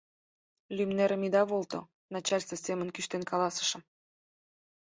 Лӱмнерым ида волто! — начальство семын кӱштен каласышым.